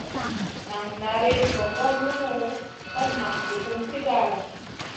Nan nari gongor lumuʼu, hot nan gusum sigara.